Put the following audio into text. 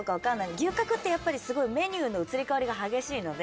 牛角ってメニューの移り変わりが激しいので。